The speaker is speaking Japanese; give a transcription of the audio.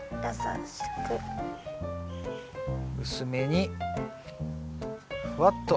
薄めにふわっと。